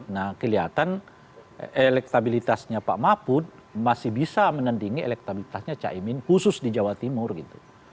nah kelihatan elektabilitasnya pak mahfud masih bisa menandingi elektabilitasnya caimin khusus di jawa timur gitu